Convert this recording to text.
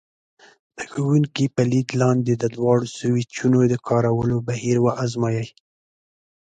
د ښوونکي په لید لاندې د دواړو سویچونو د کارولو بهیر وازمایئ.